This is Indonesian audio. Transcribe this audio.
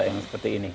yang seperti ini